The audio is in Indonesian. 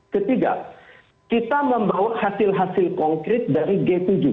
ketiga kita membawa hasil hasil konkret dari g tujuh